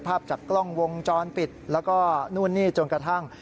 ภาพจากกล้องวงจรปิดแล้วก็นู่นนี่จนกระทั่ง